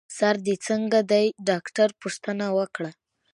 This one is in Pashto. سر دي څنګه دی؟ ډاکټر پوښتنه وکړه.